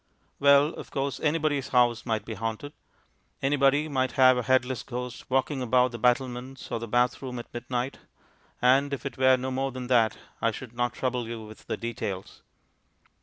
Well, of course, anybody's house might be haunted. Anybody might have a headless ghost walking about the battlements or the bath room at midnight, and if it were no more than that, I should not trouble you with the details.